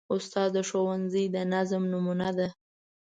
استاد د ښوونځي د نظم نمونه ده.